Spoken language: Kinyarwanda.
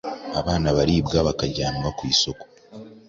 abana baribwa bakajyanwa ku isoko